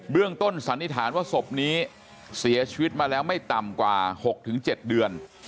เรื่องต้นสันนิษฐานว่าศพนี้เสียชีวิตมาแล้วไม่ต่ำกว่า๖๗เดือน